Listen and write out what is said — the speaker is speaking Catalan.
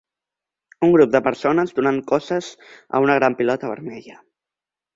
Un grup de persones donant cosses a una gran pilota vermella.